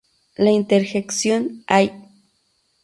La interjección Ay!